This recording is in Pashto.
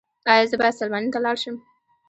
ایا زه باید سلماني ته لاړ شم؟